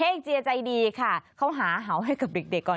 เฮ้งเจียใจดีค่ะเขาหาเหาให้กับเด็กก่อนการแสดงเฮ้งเจีย